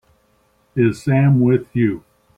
Is Sam with you?